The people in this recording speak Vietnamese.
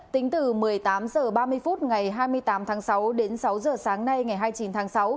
tính từ một mươi tám h ba mươi phút ngày hai mươi tám tháng sáu đến sáu giờ sáng nay ngày hai mươi chín tháng sáu